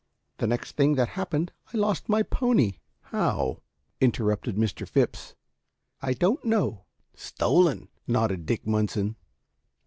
Then the next thing that happened, I lost my pony." "How?" interrupted Mr. Phipps. "I don't know." "Stolen," nodded Dick Munson.